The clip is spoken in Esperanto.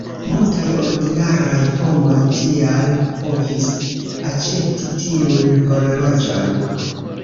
Multaj 'ordinaraj homoj' tial povis aĉeti tiun horloĝon.